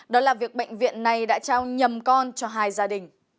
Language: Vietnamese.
đó là việc bệnh viện này đã trao nhầm con cho hai gia đình